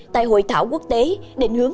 tại hội thảo quốc tế định hướng